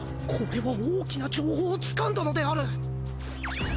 これは大きな情報をつかんだのである！